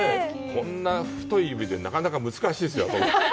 こんな太い指でなかなか難しいですよ。